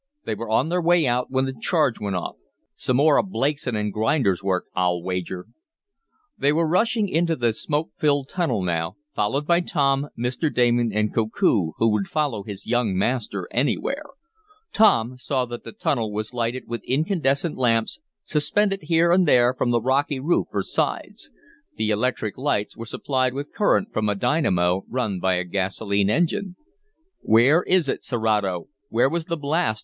"They were on their way out when the charge went off. Some more of Blakeson & Grinder's work, I'll wager!" They were rushing in to the smoke filled tunnel now, followed by Tom, Mr. Damon and Koku, who would follow his young master anywhere. Tom saw that the tunnel was lighted with incandescent lamps, suspended here and there from the rocky roof or sides. The electric lights were supplied with current from a dynamo run by a gasoline engine. "Where is it, Serato? Where was the blast?"